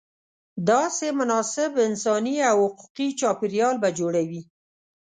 داسې مناسب انساني او حقوقي چاپېریال به جوړوې.